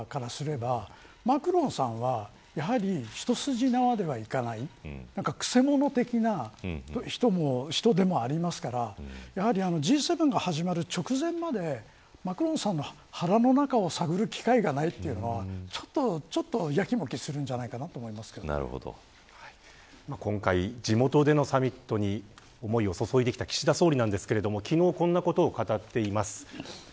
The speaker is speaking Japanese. フランスの国内事情がどういうことがあるのか承知していませんがでも、岸田総理の立場からすればマクロンさんは一筋縄ではいかないくせ者的な人でもありますからＧ７が始まる直前までマクロンさんの腹の中を探る機会がないというのはちょっとやきもきするんじゃ今回、地元でのサミットに思いをそそいできた岸田総理ですが、昨日こんなことを語っています。